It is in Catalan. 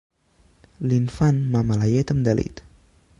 L'infant mama la llet amb delit.